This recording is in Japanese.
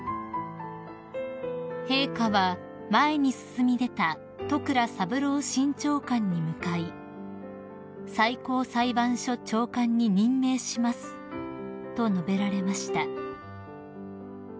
［陛下は前に進み出た戸倉三郎新長官に向かい「最高裁判所長官に任命します」と述べられました］